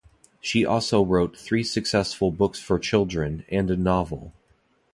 She also wrote three successful books for children and a novel.